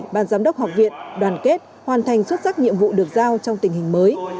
ban giám đốc học viện đoàn kết hoàn thành xuất sắc nhiệm vụ được giao trong tình hình mới